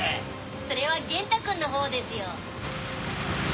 それは元太くんのほうですよ。